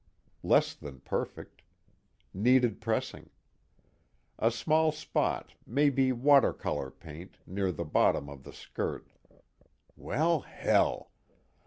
Less than perfect. Needed pressing. A small spot, maybe watercolor paint, near the bottom of the skirt (_well, hell!